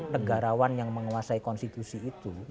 negarawan yang menguasai konstitusi itu